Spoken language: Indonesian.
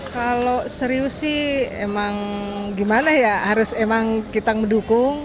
kalau serius sih emang gimana ya harus emang kita mendukung